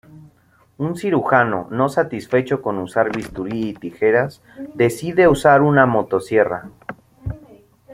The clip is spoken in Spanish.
Un cirujano, no satisfecho con usar bisturí y tijeras, decide usar una motosierra.